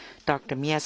宮崎